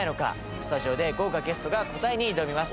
スタジオで豪華ゲストが答えに挑みます。